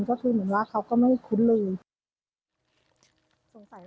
ก็คือเหมือนว่าเขาก็ไม่คุ้นเลย